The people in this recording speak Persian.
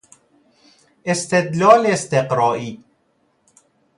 استدلال استقرایی